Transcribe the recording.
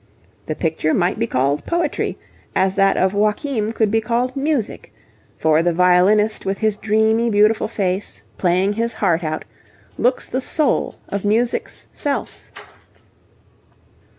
The picture might be called 'poetry,' as that of Joachim could be called 'music,' for the violinist with his dreamy beautiful face, playing his heart out, looks the soul of music's self.